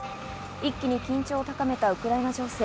一気に緊張を高めたウクライナ情勢。